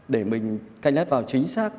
để mình canh lát vào chính xác